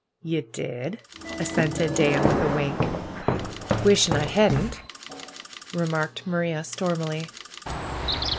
"Ye did !" assented Dan with a wink. "Wisht I hadn't!" remarked Maria stormily.